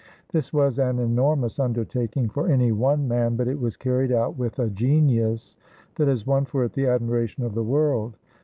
This was an enormous undertaking for any one man, but it was carried out with a genius that has won for it the admiration of the world.